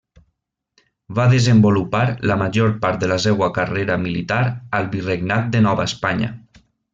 Va desenvolupar la major part de la seua carrera militar al virregnat de Nova Espanya.